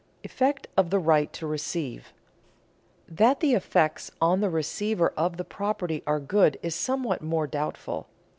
[Sidenote: Effect of the right to receive] That the effects on the receiver of the property are good is somewhat more doubtful.